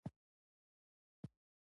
دښمن له شا وار کوي